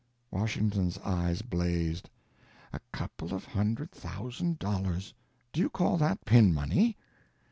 Washington's eyes blazed. "A couple of hundred thousand dollars! do you call that pin money?"